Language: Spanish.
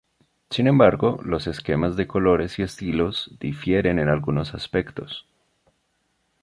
Sin embargo los esquemas de colores y estilos difieren en algunos aspectos.